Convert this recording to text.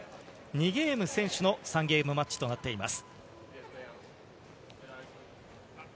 ２ゲーム先取の３ゲームマッチとなっています。